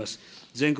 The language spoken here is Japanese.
全国